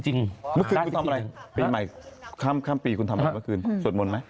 ได้ทำอะไรปีใหม่ข้ามปีคุณทำอะไรเมื่อคืนสวดมนต์ไหม